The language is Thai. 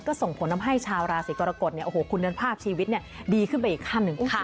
ก็ส่งผลทำให้ชาวราศีกรกฎคุณภาพชีวิตดีขึ้นไปอีกขั้นหนึ่ง